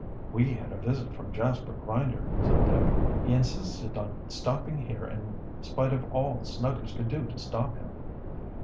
"We had a visit from Jasper Grinder," said Dick. "He insisted on stopping here in spite of all Snuggers could do to stop him."